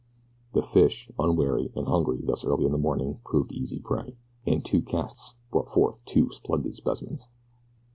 The fish, unwary, and hungry thus early in the morning proved easy prey, and two casts brought forth two splendid specimens.